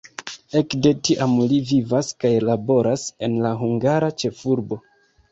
Ekde tiam li vivas kaj laboras en la hungara ĉefurbo.